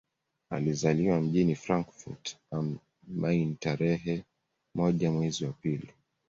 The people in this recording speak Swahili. Alizaliwa mjini Frankfurt am Main tarehe moja mwezi wa pili